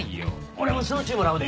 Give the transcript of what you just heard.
俺も焼酎もらうで。